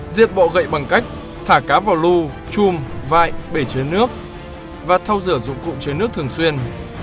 diệt bọ gậy bằng cách thả cá vào lù chùm vại bể chứa nước và thâu rửa dụng cụ chứa nước thường xuyên